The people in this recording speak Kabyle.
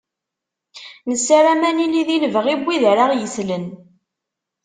Nessaram ad nili di lebɣi n wid ara aɣ-yeslen.